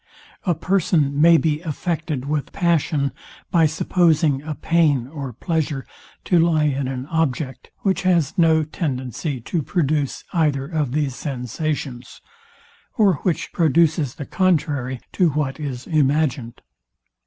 A person may be affected with passion, by supposing a pain or pleasure to lie in an object, which has no tendency to produce either of these sensations, or which produces the contrary to what is imagined.